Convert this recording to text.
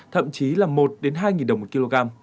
thậm chí là một đến hai đồng một kg